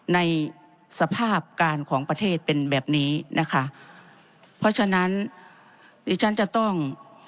ในสภาพการของประเทศเป็นแบบนี้นะคะเพราะฉะนั้นดิฉันจะต้อง